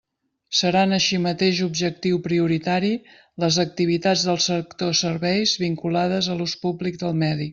Seran així mateix objectiu prioritari les activitats del sector serveis vinculades a l'ús públic del medi.